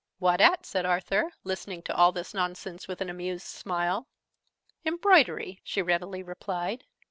"What at?" said Arthur, listening to all this nonsense with an amused smile. "Embroidery!" she readily replied.